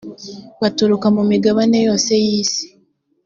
baturuka mu migabane yose y isi